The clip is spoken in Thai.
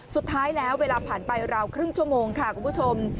สุดท้ายแล้วเวลาผ่านไปราวครึ่งชั่วโมงค่ะคุณผู้ชม